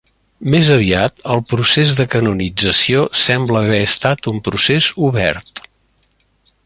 Més aviat, el procés de canonització sembla haver estat un procés obert.